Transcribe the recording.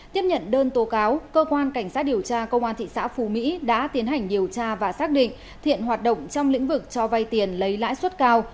tiếp nhận đơn tố cáo cơ quan cảnh sát điều tra công an thị xã phú mỹ đã tiến hành điều tra và xác định thiện hoạt động trong lĩnh vực cho vay tiền lấy lãi suất cao